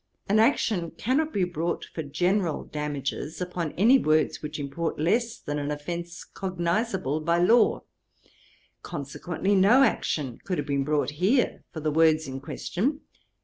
An action cannot be brought for general damages, upon any words which import less than an offence cognisable by law; consequently no action could have been brought here for the words in question.